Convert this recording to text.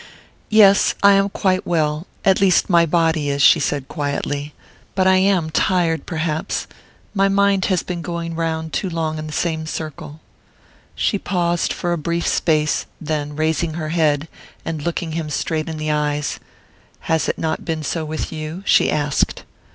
"Yes; I am quite well at least my body is," she said quietly. "But I am tired, perhaps; my mind has been going round too long in the same circle." She paused for a brief space, and then, raising her head, and looking him straight in the eyes: "Has it not been so with you?" she asked.